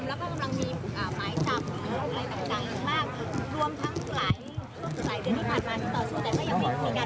แล้วก็กำลังมีหมายจับหรืออะไรต่างอีกมาก